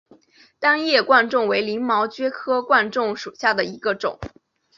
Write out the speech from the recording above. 单叶贯众为鳞毛蕨科贯众属下的一个种。